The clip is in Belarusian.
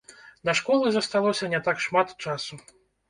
Да школы засталося не так шмат часу.